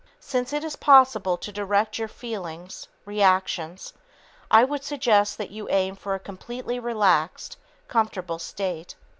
Since it is possible to direct your feelings (reactions), I would suggest that you aim for a completely relaxed, comfortable state.